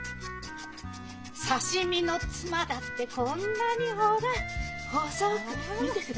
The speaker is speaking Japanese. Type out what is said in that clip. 刺身のツマだってこんなにほら細く。